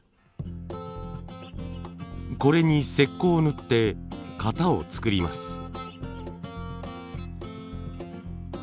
これに石こうを塗って型を作ります。